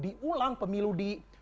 diulang pemilu di